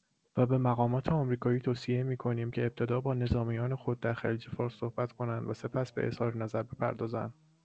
وبه مقامات آمریکایی توصیه می کنیم که ابتدا با نظامیان خود در خلیج فارس صحبت کنند و سپس به اظهار نظر بپردازند